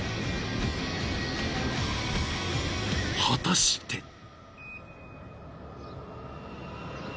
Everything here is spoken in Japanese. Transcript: ［果たして］